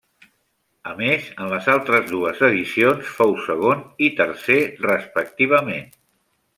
A més, en les altres dues edicions fou segon i tercer respectivament.